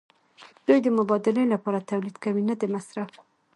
دوی د مبادلې لپاره تولید کوي نه د مصرف.